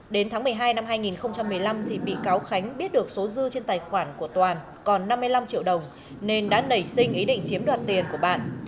đến tháng một mươi hai năm hai nghìn một mươi năm bị cáo khánh biết được số dư trên tài khoản của toàn còn năm mươi năm triệu đồng nên đã nảy sinh ý định chiếm đoạt tiền của bạn